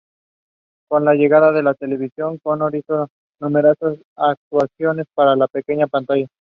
Con la llegada de la televisión, O'Connor hizo numerosas actuaciones para la pequeña pantalla.